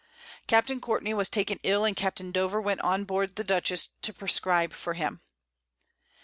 Capt. Courtney was taken ill, and Capt. Dover went on board the Dutchess to prescribe for him.